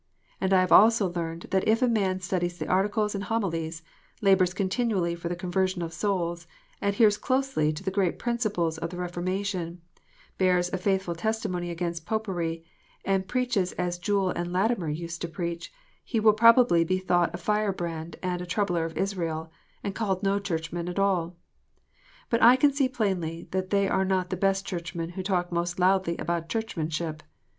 And I have also learned that if a man studies the Articles and Homilies, labours continually for the conversion of souls, adheres closely to the great principles of the Reformation, bears a faithful testimony against Popery, and preaches as Jewel and Latimer used to preach, he will probably be thought a firebrand and " troubler of Israel," and called no Churchman at all ! But I can see plainly that they are not the best Churchmen who talk most loudly about Churclmianship.